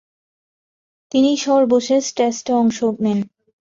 তিনি সর্বশেষ টেস্টে অংশ নেন।